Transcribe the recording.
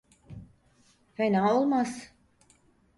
Fena olmaz.